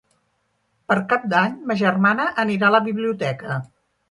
Per Cap d'Any ma germana anirà a la biblioteca.